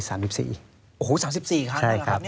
โอ้โห๓๔ครั้งนั้นหรอครับ